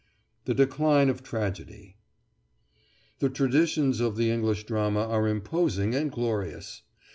THE DECLINE OF TRAGEDY The traditions of the English drama are imposing and glorious!